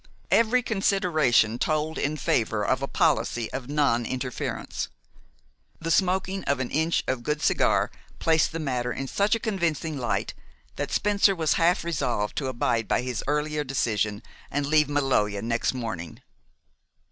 Every consideration told in favor of a policy of non interference. The smoking of an inch of good cigar placed the matter in such a convincing light that Spencer was half resolved to abide by his earlier decision and leave Maloja next morning.